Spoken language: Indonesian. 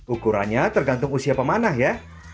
ukurannya tergantung usia pemanah ya